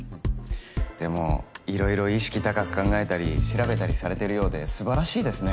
でもいろいろ意識高く考えたり調べたりされてるようですばらしいですね。